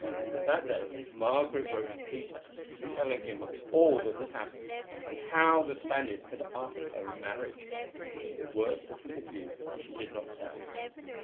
That day Margaret wrote to Peter, telling him of all that had happened, and how the Spaniard had asked her in marriage, though the words that he used she did not tell.